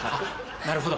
なるほど。